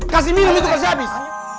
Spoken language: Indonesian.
kasih minum itu kasih habis